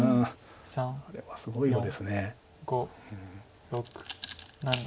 これはすごい碁です。